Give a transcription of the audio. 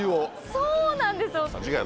そうなんですよ。